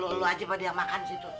lu biar lu lu aja pak yang makan di situ